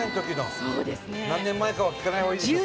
伊達：何年前かは聞かない方がいいですか？